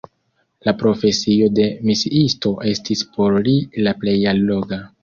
La profesio de misiisto estis por li la plej alloga.